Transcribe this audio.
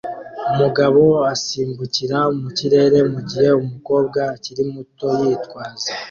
Umugabo asimbukira mu kirere mu gihe umukobwa ukiri muto yitwaza